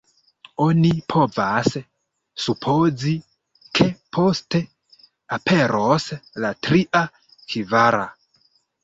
Oni povas supozi, ke poste aperos la tria, kvara.